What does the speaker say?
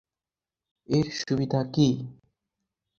এর সুবিধা কী?